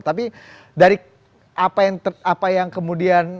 tapi dari apa yang kemudian